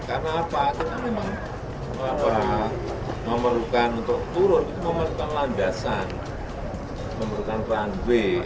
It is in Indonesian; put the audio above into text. karena apa kita memang memerlukan untuk turun itu memerlukan landasan memerlukan runway